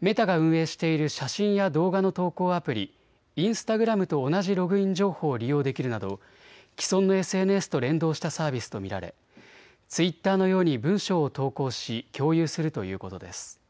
メタが運営している写真や動画の投稿アプリ、インスタグラムと同じログイン情報を利用できるなど既存のＳＮＳと連動したサービスと見られツイッターのように文章を投稿し共有するということです。